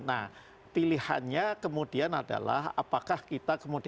nah pilihannya kemudian adalah apakah kita bisa mengatasi ya